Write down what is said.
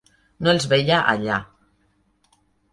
No els veia allà.